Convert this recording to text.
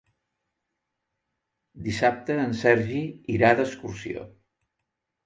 Dissabte en Sergi irà d'excursió.